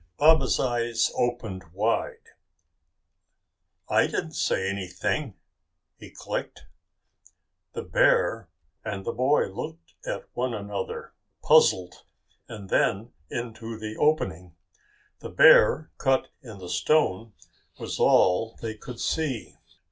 Baba's eyes opened wide. "I didn't say anything," he clicked. The bear and the boy looked at one another, puzzled, and then into the opening. The bear cut in the stone was all they could see.